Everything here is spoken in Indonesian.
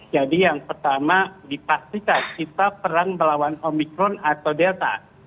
jadi yang pertama dipastikan kita perang melawan omikron atau delta